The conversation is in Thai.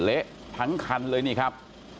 เละทั้งคันเลยนี่ครับ